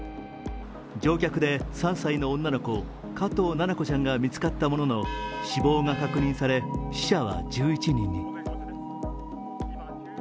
乗客で３歳の女の子加藤七菜子ちゃんが見つかったものの死亡が確認され死者は、１１人に。